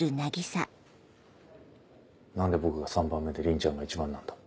何で僕が３番目で鈴ちゃんが１番なんだ？